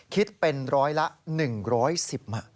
คิดเป็นร้อยละ๑๑๐บาท